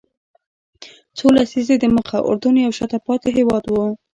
څو لسیزې دمخه اردن یو شاته پاتې هېواد و.